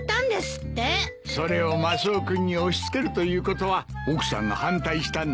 それをマスオ君に押し付けるということは奥さんが反対したんだな。